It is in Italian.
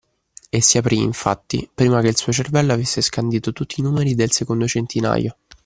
E si aprì, infatti, prima che il suo cervello avesse scandito tutti i numeri del secondo centinaio.